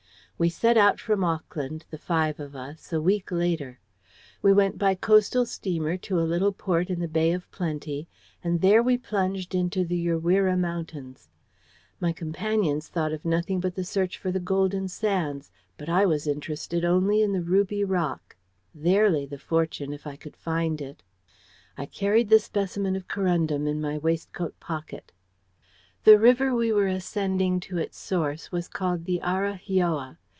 We set out from Auckland, the five of us, a week later. We went by coastal steamer to a little port in the Bay of Plenty, and there we plunged into the Urewera Mountains. My companions thought of nothing but the search for the source of the golden sands, but I was interested only in the ruby rock. There lay the fortune, if I could find it. I carried the specimen of corundum in my waistcoat pocket. "The river we were ascending to its source was called the Araheoa.